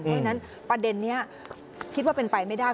ดังนั้นปันเด็นนี้คิดว่าเป็นไปไม่ได้